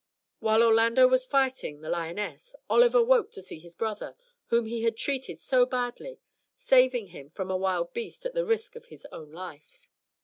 While Orlando was fighting the lioness, Oliver woke to see his brother, whom he had treated so badly, saving him from a wild beast at the risk of his own life.